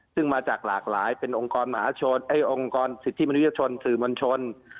ซึ่งมาจากหลากหลายเป็นองค์กรสิทธิมนุยชนสื่อมนชน